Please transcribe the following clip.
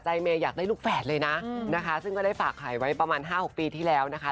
เมย์อยากได้ลูกแฝดเลยนะนะคะซึ่งก็ได้ฝากขายไว้ประมาณ๕๖ปีที่แล้วนะคะ